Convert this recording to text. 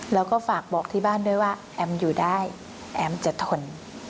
แล้วก็ฝากบอกที่บ้านด้วยว่าแอมอยู่ได้แอมจะทน